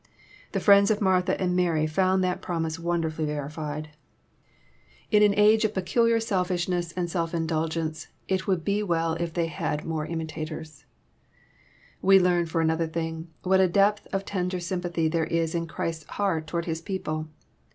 The friends of Martha and Mary found that promise wonderfully verified. In aa JOHN, CHAP. XI. 269 age of peculiar selfishness and self indulgence, it would be well if they had more imitators. ] We learn, for another thing, what a depth of tender sym* pathy there is in Chrises heart towards His people.